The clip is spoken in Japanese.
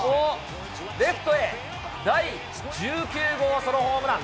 レフトへ第１９号ソロホームラン。